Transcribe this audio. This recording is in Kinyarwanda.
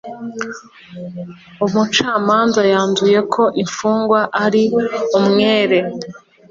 Umucamanza yanzuye ko imfungwa ari umwere